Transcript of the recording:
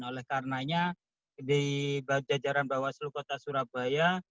oleh karenanya di jajaran bawaslu kota surabaya